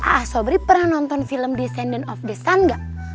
ah sobri pernah nonton film decenden of the sun gak